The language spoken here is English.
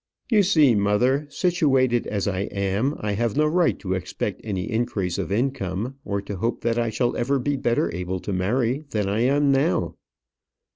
"You see, mother, situated as I am, I have no right to expect any increase of income, or to hope that I shall ever be better able to marry than I am now."